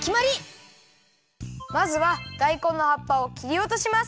まずはだいこんの葉っぱをきりおとします。